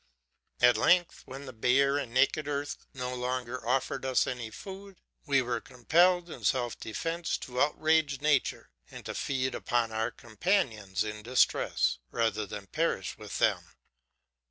"'At length, when the bare and naked earth no longer offered us any food, we were compelled in self defence to outrage nature, and to feed upon our companions in distress, rather than perish with them.